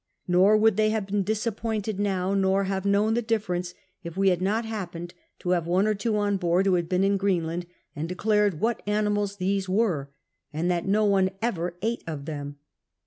Nor would they have been disappointed now, nor have known the difference, if we had not liappeued to Lave z THE SEA HORSE 139 one or two on board who had been in Greenland, and de* dared what animals these were, and that no one ever ate of them.